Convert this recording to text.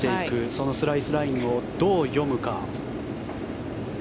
そのスライスラインをどう読むか。